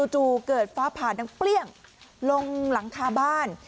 จู่เกิดฟ้าผ่าดังเปรี้ยงลงหลังคาบ้าน